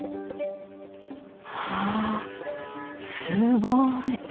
はぁすごい！